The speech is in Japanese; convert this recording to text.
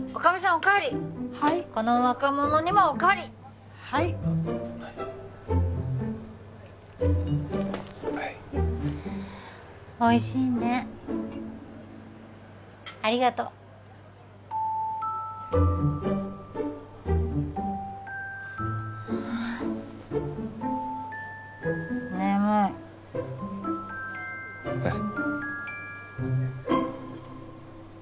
おかわりはいこの若者にもおかわりはいおいしいねありがとう眠いえっ？